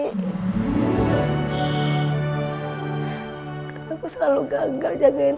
karena aku selalu gagal jagain rina